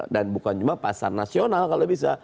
dan bukan cuma pasar nasional kalau bisa